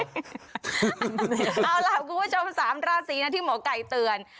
เอาล่ะคุณผู้ชม๓ราศีนะที่หมอไก่เตือน